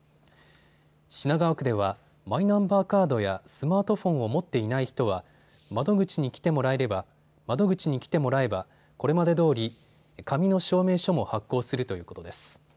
品川区ではマイナンバーカードやスマートフォンを持っていない人は窓口に来てもらえばこれまでどおり紙の証明書も発行するということです。